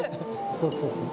そうそうそう。